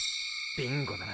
ビンゴだな